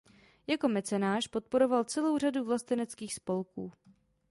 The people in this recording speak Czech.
Jako mecenáš podporoval celou řadu vlasteneckých spolků.